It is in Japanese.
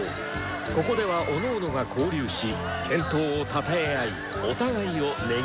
ここではおのおのが交流し健闘をたたえ合いお互いをねぎらい合う。